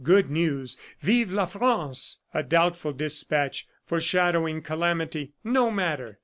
Good news: "Vive la France!" A doubtful despatch, foreshadowing calamity: "No matter!